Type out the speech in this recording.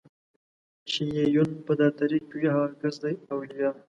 چې يې يون په دا طريق وي هغه کس دئ اوليا